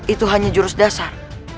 itu hanya jurus dasar